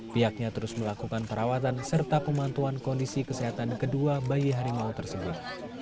pihaknya terus melakukan perawatan serta pemantuan kondisi kesehatan kedua bayi harimau tersebut